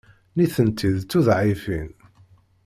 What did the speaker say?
Nitenti d tuḍɛifin.